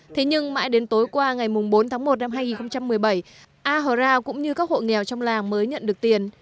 thế nhưng mãi đến tối qua ngày bốn tháng một năm hai nghìn một mươi bảy a hờ ra cũng như các hộ nghèo trong làng mới nhận được tiền